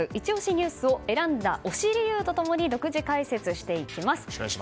ニュースを選んだ推し理由と共に独自解説していきます。